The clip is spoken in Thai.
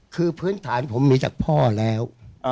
คือพื้นฐานผมมีจากพ่อแล้ว